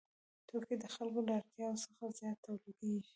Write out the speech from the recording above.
توکي د خلکو له اړتیاوو څخه زیات تولیدېږي